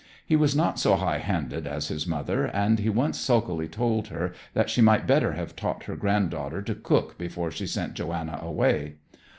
He was not so high handed as his mother, and he once sulkily told her that she might better have taught her granddaughter to cook before she sent Johanna away.